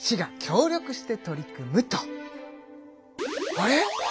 あれ！？